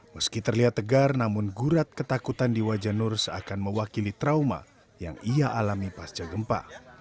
meski terlihat tegar namun gurat ketakutan di wajah nur seakan mewakili trauma yang ia alami pasca gempa